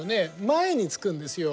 前につくんですよ。